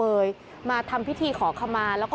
พี่บูรำนี้ลงมาแล้ว